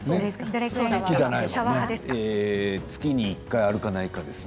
月に１回あるかないかです。